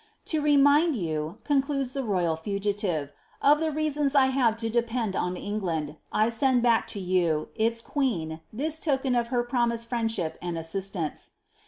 "To re mind you," concludes the royal fugitive, " of the reasons 1 have to depend on England, I send back to you, its queen, this token of her promised friendship and assistance.'"